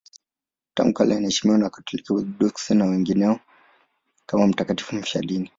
Tangu kale anaheshimiwa na Wakatoliki, Waorthodoksi na wengineo kama mtakatifu mfiadini.